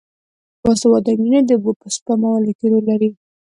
باسواده نجونې د اوبو په سپمولو کې رول لري.